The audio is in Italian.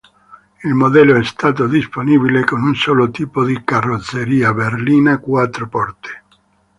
Il modello è stato disponibile con un solo tipo di carrozzeria, berlina quattro porte.